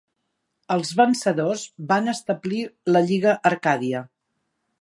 Els vencedors van establir la Lliga Arcàdia.